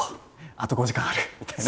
あと５時間あるみたいな。